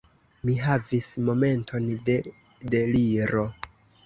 Mi havis momenton de deliro.